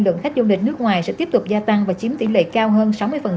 lượng khách du lịch nước ngoài sẽ tiếp tục gia tăng và chiếm tỷ lệ cao hơn sáu mươi